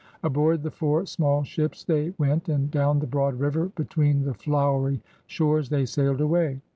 Aboard the four small ships they went, and down the broad river, between the flowery shores, they sailed away.